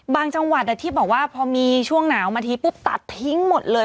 จังหวัดที่บอกว่าพอมีช่วงหนาวมาทีปุ๊บตัดทิ้งหมดเลย